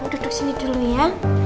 duduk sini dulu ya